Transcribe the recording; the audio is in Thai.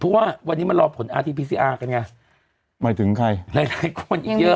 เพราะว่าวันนี้มารอผลอาทีพีซีอาร์กันไงหมายถึงใครหลายหลายคนอีกเยอะ